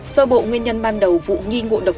sơ bộ nguyên nhân ban đầu vụ nghi ngộ độc